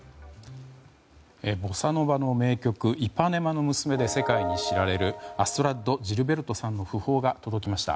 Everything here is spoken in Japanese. ボサ・ノヴァの名曲「イパネマの娘」で世界に知られるアストラッド・ジルベルトさんの訃報が届きました。